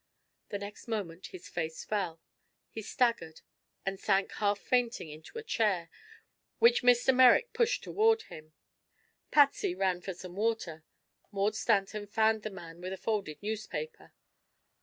The next moment his face fell. He staggered and sank half fainting into a chair which Mr. Merrick pushed toward him. Patsy ran for some water. Maud Stanton fanned the man with a folded newspaper.